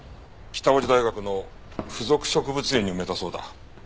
北大路大学の付属植物園に埋めたそうだ。